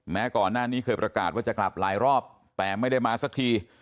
ก่อนหน้านี้เคยประกาศว่าจะกลับหลายรอบแต่ไม่ได้มาสักที